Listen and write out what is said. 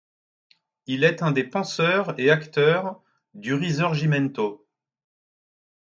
Il est un des penseurs et acteurs du Risorgimento.